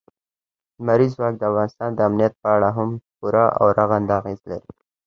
لمریز ځواک د افغانستان د امنیت په اړه هم پوره او رغنده اغېز لري.